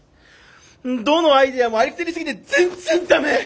どのアイデアもありきたりすぎて全然ダメ！